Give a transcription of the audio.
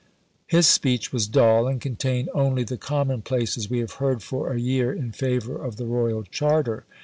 His speech was dull, and contained only the commonplaces we have heard for a year in favour of the Royal Charter.